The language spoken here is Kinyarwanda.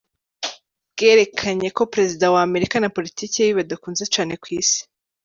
Bwerakanye ko prezida wa Amerika na politike yiwe bidakunzwe cane kw'isi.